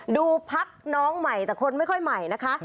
ดูพักน้องใหม่แต่คนไม่ค่อยใหม่นะคะ